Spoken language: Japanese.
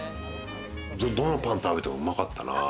どのパン食べても、うまかったな。